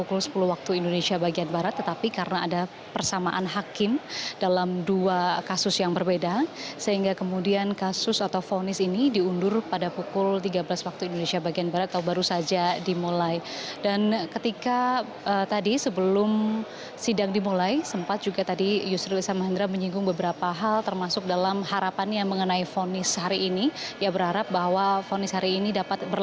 kewajiban pemegang nasional indonesia yang dimiliki pengusaha syamsul nursalim